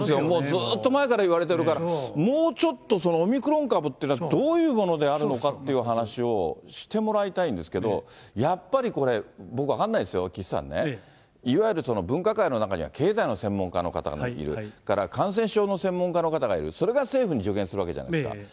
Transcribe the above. もうずっと前から言われてるから、もうちょっとオミクロン株っていうのは、どういうものであるのかっていう話をしてもらいたいんですけど、やっぱりこれ、僕、分からないですよ、岸さんね、いわゆる分科会の中には経済の専門家の方がいる、それから感染症の専門家の方がいる、それが政府に助言するわけじゃないですか。